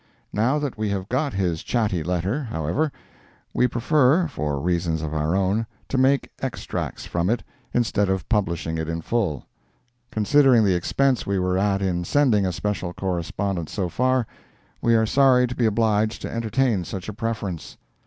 Now that we have got his chatty letter, however, we prefer, for reasons of our own, to make extracts from it, instead of publishing it in full. Considering the expense we were at in sending a special correspondent so far, we are sorry to be obliged to entertain such a preference.